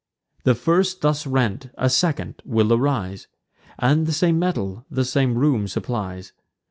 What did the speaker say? The first thus rent a second will arise, And the same metal the same room supplies.